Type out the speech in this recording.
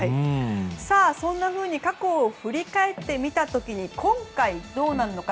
そんなふうに過去を振り返ってみた時に今回どうなるのか。